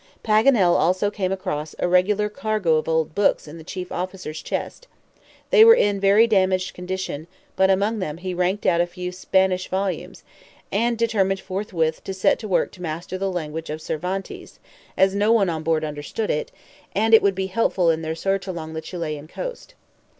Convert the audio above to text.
Paganel also came across a regular cargo of old books in the chief officer's chest. They were in a very damaged condition, but among them he raked out a few Spanish volumes, and determined forthwith to set to work to master the language of Cervantes, as no one on board understood it, and it would be helpful in their search along the Chilian coast.